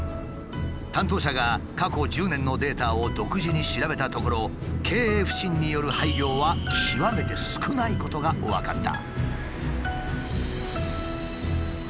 担当者が過去１０年のデータを独自に調べたところ経営不振による廃業は極めて少ないことが分かった。